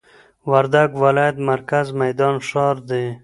وردګ ولايت مرکز میدان ښار دي